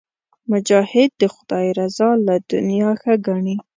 مجاهد د خدای رضا له دنیا ښه ګڼي.